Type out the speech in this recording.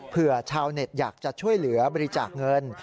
เพื่อชาวเน็ตอยากจะช่วยเหลือบริจาคเงิน